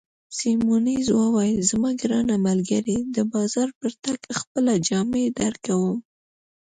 سیمونز وویل: زما ګرانه ملګرې، د بازار پر تګ خپله جامې درکوم.